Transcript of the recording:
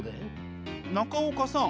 中岡さん